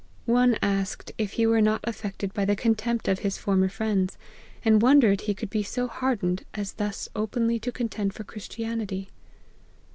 One asked, if he were not affected by the contempt of his former friends, and wondered he could be so hardened as thus openly to contend for Christianity.